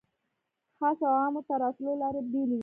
خاصو او عامو د راتلو لارې بېلې وې.